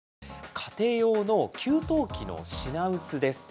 家庭用の給湯器の品薄です。